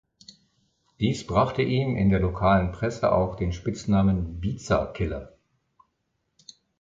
Dies brachte ihm in der lokalen Presse auch den Spitznamen "Bitza-Killer".